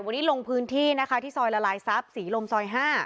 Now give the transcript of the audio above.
วันนี้ลงพื้นที่นะคะที่ซอยละลายทรัพย์ศรีลมซอย๕